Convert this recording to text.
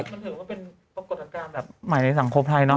มันถือว่าเป็นปรากฏการณ์แบบใหม่ในสังคมไทยเนอ